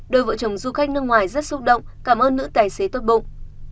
đôi vợ chồng du khách nước ngoài rất xúc động cảm ơn nữ tài xế tốt bụng